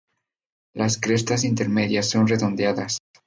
Las crestas intermedias son redondeadas.